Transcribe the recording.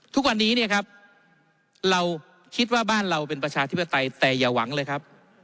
ทุกวันนี้เนี่ยครับเราคิดว่าบ้านเราเป็นประชาธิปไตยแต่อย่าหวังเลยครับ